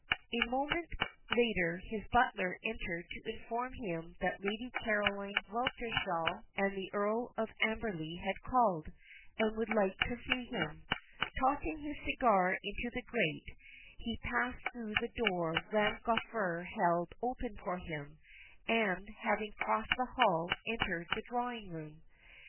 A moment later his butler entered to inform him that Lady Caroline Weltershall and the Earl of Amberley had called, and would like to see him. Tossing his cigar into the grate, he passed through the door Ram Gafur held open for him, and, having crossed the hall, entered the drawing room.